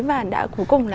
và đã cuối cùng là đã